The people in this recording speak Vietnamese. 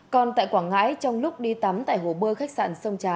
còn tại quảng ngãi trong lúc đi tắm tại hồ bơi khách sạn sông trà